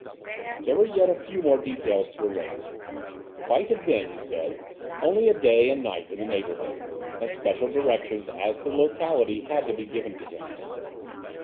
There were yet a few more details to arrange. White had been, he said, only a day and night in the neighbourhood, and special directions as to the locality had to be given to him.